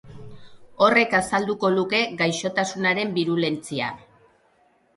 Horrek azalduko luke gaixotasunaren birulentzia.